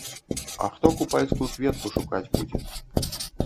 А хто купальскую кветку шукаць будзе?